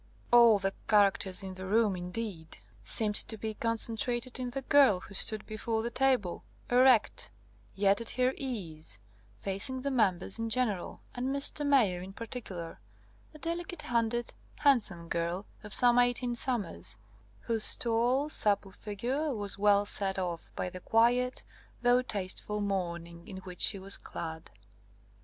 All the character in the room, indeed, seemed to be concentrated in the girl who stood before the table, erect, yet at her ease, facing the members in general and Mr. Mayor in particular; a delicate handed, handsome girl of some eighteen summers, whose tall, supple figure was well set off by the quiet, though tasteful mourning in which she was clad.